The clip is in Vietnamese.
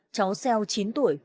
cháu seo chín tuổi